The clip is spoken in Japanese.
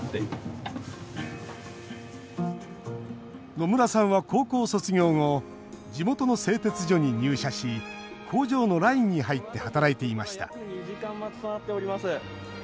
野村さんは高校卒業後地元の製鉄所に入社し工場のラインに入って働いていました。